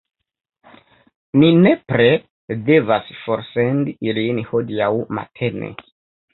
Ni nepre devas forsendi ilin hodiaŭ matene.